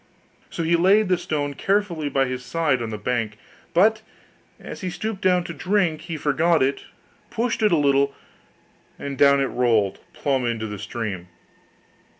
So he laid the stone carefully by his side on the bank: but, as he stooped down to drink, he forgot it, pushed it a little, and down it rolled, plump into the stream.